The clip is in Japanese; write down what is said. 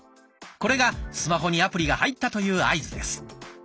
これがスマホにアプリが入ったという合図です。